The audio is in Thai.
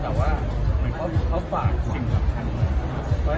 แต่ว่าเหมือนเขาฝากสิ่งสำคัญ